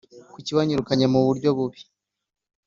Kuki wanyirukanye mu buryo bubi